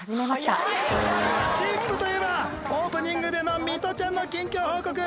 『ＺＩＰ！』といえばオープニングでのミトちゃんの近況報告。